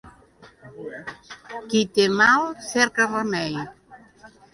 Qui té mal cerca remei.